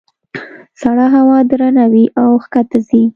سړه هوا درنه وي او ښکته ځي.